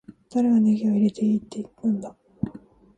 誰がネギを入れていいって言ったんだ